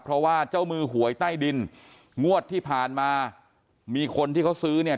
เพราะว่าเจ้ามือหวยใต้ดินงวดที่ผ่านมามีคนที่เขาซื้อเนี่ย